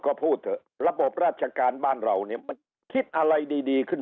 ก็พูดเถอะระบบราชการบ้านเราเนี่ยมันคิดอะไรดีขึ้น